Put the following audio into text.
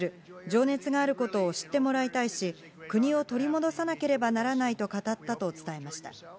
情熱があることを知ってもらいたいし、国を取り戻さなければならないと語ったと伝えました。